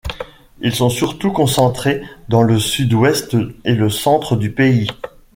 Ils sont surtout concentrés dans le sud-ouest et le centre du pays.